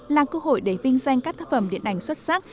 là cơ hội để vinh danh các tác phẩm điện ảnh xuất sắc